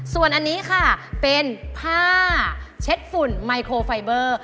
ส่วนอันนี้ค่ะเป็นผ้าเช็ดฝุ่นไมโครไฟเบอร์